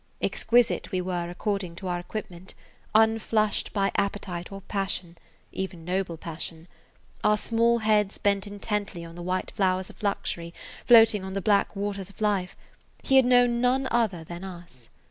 Exquisite we were according to our equipment, unflushed by appetite or passion, even noble passion, our small heads bent intently on the white flowers of luxury floating on the black waters of life, he had known none other than us.